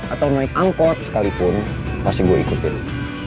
atau naik angkot sekalipun pasti gue ikutin